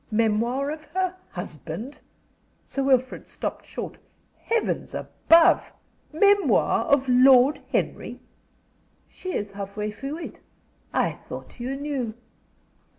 "Memoir of her husband!" Sir Wilfrid stopped short. "Heavens above! Memoir of Lord Henry?" "She is half way through it. I thought you knew."